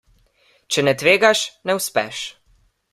Če ne tvegaš, ne uspeš.